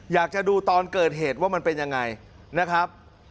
อยากจะดูตอนเกิดเหตุว่ามันเป็นยังไงนะครับ